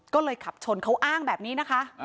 ก็เลยขับชนเขาอ้างแบบนี้นะคะ